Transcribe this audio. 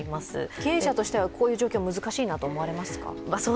経営者としてはこういう状況は難しいなと思われますか？